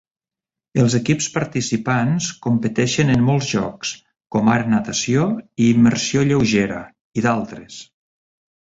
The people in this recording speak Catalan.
Els equips participants competeixen en molts jocs, com ara natació i immersió lleugera, i d'altres.